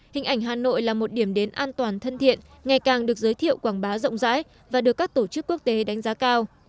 hình ảnh hà nội là một điểm đến an toàn thân thiện ngày càng được giới thiệu quảng bá rộng rãi và được các tổ chức quốc tế đánh giá cao